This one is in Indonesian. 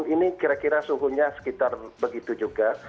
ini kira kira suhunya sekitar begitu juga